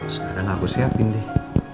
sekarang aku siapin deh